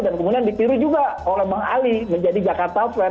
dan kemudian ditiru juga oleh bang ali menjadi jakarta fair